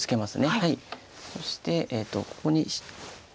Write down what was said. そしてここに。